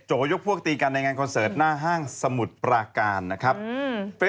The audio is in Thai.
ยกพวกตีกันในงานคอนเสิร์ตหน้าห้างสมุทรปราการนะครับ